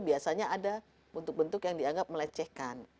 biasanya ada bentuk bentuk yang dianggap melecehkan